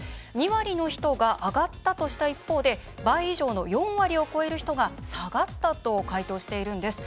２割の人が上がったとした一方で倍以上の４割を超える人が下がったと回答しているんです。